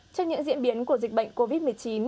trước những diễn biến của dịch bệnh covid một mươi chín